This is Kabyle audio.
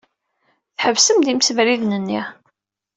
Tḥebsem-d imsebriden-nni.